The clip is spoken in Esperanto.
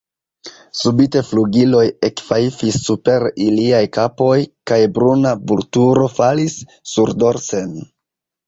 Subite flugiloj ekfajfis super iliaj kapoj, kaj bruna vulturo falis surdorsen.